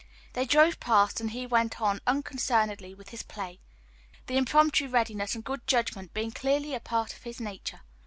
They drove past, and he went on unconcernedly with his play: the impromptu readiness and good judgment being clearly a part of his nature.